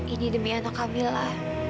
ini demi anak kamila